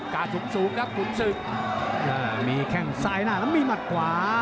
สูงสูงครับขุนศึกมีแข้งซ้ายหน้าแล้วมีหมัดขวา